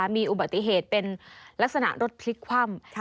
มีอุบัติเหตุเป็นลักษณะรถพลิกคว่ำ